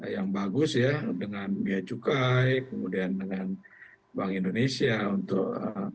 yang bagus ya dengan biaya cukai kemudian dengan bank indonesia untuk